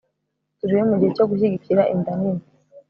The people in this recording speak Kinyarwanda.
Turiho mu gihe cyo gushyigikira inda nini